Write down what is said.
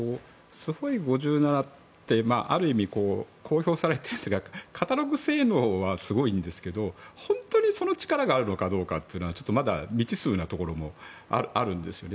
スホイ５７ってある意味公表されているというかカタログ性能はすごいんですけれども本当にその力があるかはまだ未知数なところもあるんですね。